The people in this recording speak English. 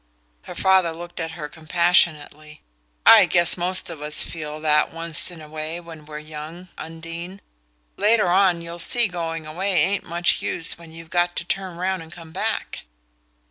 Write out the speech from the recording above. Her father looked at her compassionately. "I guess most of us feel that once in a way when we're youngy, Undine. Later on you'll see going away ain't much use when you've got to turn round and come back."